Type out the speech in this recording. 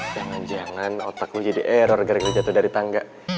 jangan jangan otakmu jadi error gara gara jatuh dari tangga